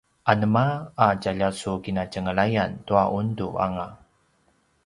anema a tjalja su kinatjenglayan tua undu anga?